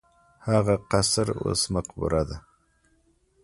هغه قصر اوس مقبره ده.